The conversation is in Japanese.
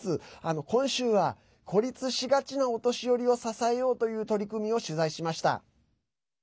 今週は孤立しがちなお年寄りを支えようという取り組みを取材しました。